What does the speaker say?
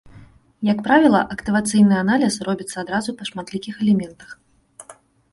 Як правіла, актывацыйны аналіз робіцца адразу па шматлікіх элементах.